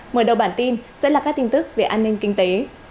mở đầu bản tin sẽ là các tin tức về an ninh kinh tế